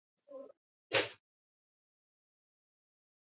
viazi lishe vina faida zaidi ya viazi vingine